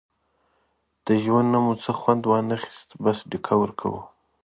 له ژوند نه مو څه وخوند وانخیست، بس دیکه ورکوو.